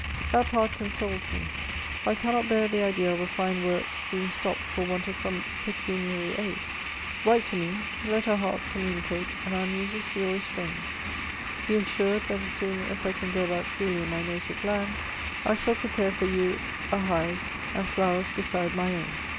That part consoles me, for 1 cannot bear the idea of a mie work being stopped for want of some pecuniary aid. Write to me ; let our hearts communicate, and our muses be always friends. Be assured, that as soon as I can go about freely in my native land, I shall prepare for you a hive and flowers beside my own.